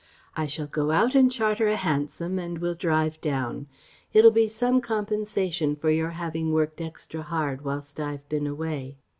I shall go out and charter a hansom and we'll drive down ... it'll be some compensation for your having worked extra hard whilst I've been away....